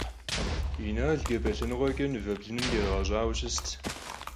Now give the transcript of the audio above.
Инал джабэ лъэныкъуэкӀэ мывэ блыным кӀэрыгъэщӀауэ щыст.